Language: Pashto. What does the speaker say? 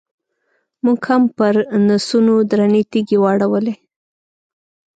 موږ هم پرنسونو درنې تیږې واړولې.